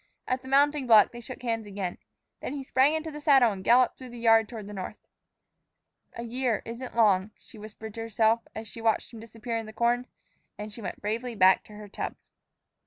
At the mounting block they shook hands again. Then he sprang into the saddle and galloped through the yard toward the north. "A year isn't long," she whispered to herself, as she watched him disappear in the corn, and she went bravely back to her tub.